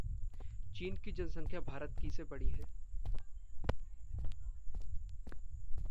चीन की जनसंख्या भारत की से बड़ी है।